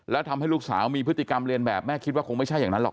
แล้วทำให้ลูกสาวมีพฤติกรรมเรียนแบบแม่คิดว่าคงไม่ใช่อย่างนั้นหรอก